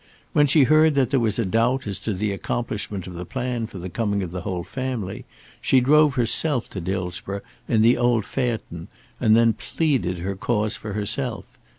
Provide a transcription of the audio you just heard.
When she heard that there was a doubt as to the accomplishment of the plan for the coming of the whole family, she drove herself into Dillsborough in the old phaeton and then pleaded her cause for herself.